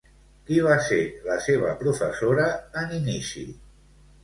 Qui va ser la seva professora, en inici?